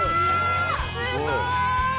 すごい。